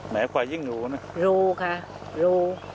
แหมวควายยิ้งรู้นะรู้ค่ะรู้